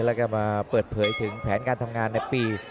แล้วก็มาเปิดเผยถึงแผนการทำงานในปี